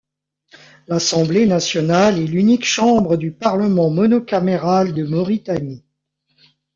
L'Assemblée nationale est l'unique chambre du parlement monocaméral de Mauritanie.